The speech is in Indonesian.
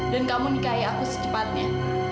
dan kamu nikahi aku secepatnya